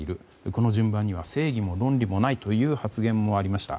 この順番には正義も論理もないという発言もありました。